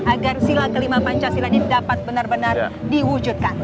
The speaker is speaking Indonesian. agar sila kelima pancasila ini dapat benar benar diwujudkan